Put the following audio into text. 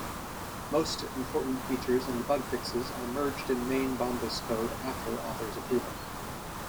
Most important features and bugfixes are merged in main Bombus code after author's approval.